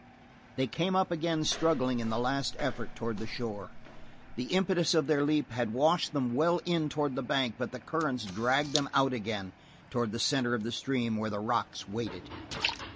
They came up again struggling in the last effort toward the shore. The impetus of their leap had washed them well in toward the bank, but the currents dragged them out again toward the center of the stream where the rocks waited.